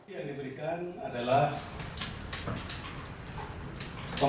yang diberikan adalah pembekuan